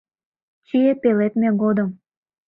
Чие пеледме годым